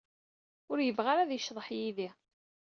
Ur yebɣi ara ad yecḍeḥ yid-i.